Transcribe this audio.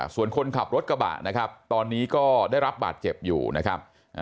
ส่วนคนขับรถกระบะนะครับตอนนี้ก็ได้รับบาดเจ็บอยู่นะครับ